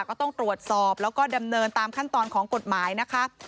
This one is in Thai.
ก็ต้องตรวจสอบแล้วก็ดำเนินตามขั้นตอนของกฎหมายนะคะ